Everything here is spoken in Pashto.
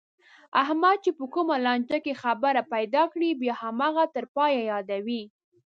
احمد چې په کومه لانجه کې خبره پیدا کړي، بیا هماغه تر پایه یادوي.